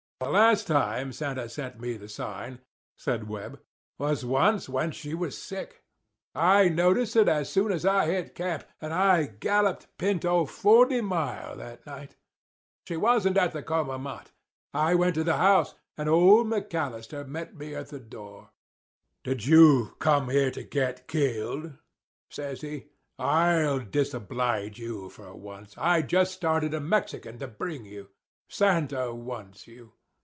'" "The last time Santa sent me the sign," said Webb, "was once when she was sick. I noticed it as soon as I hit camp, and I galloped Pinto forty mile that night. She wasn't at the coma mott. I went to the house; and old McAllister met me at the door. 'Did you come here to get killed?' says he; 'I'll disoblige you for once. I just started a Mexican to bring you. Santa wants you.